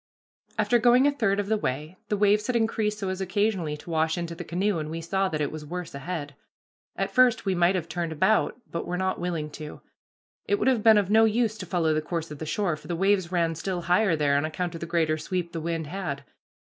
After going a third of the way, the waves had increased so as occasionally to wash into the canoe, and we saw that it was worse ahead. At first we might have turned about, but were not willing to. It would have been of no use to follow the course of the shore, for the waves ran still higher there on account of the greater sweep the wind had.